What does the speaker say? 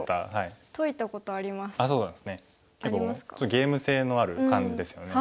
ゲーム性のある感じですよね。